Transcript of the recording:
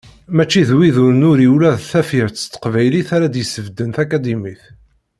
Mačči d wid ur nuri ula d tafyirt s teqbaylit ara yesbedden takadimit.